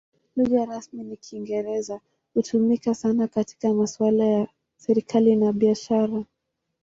Lugha rasmi ni Kiingereza; hutumika sana katika masuala ya serikali na biashara.